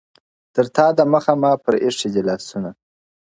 تر تا د مخه ما پر ایښي دي لاسونه-